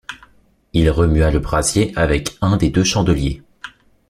Il remua le brasier avec un des deux chandeliers.